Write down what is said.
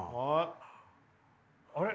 あれ？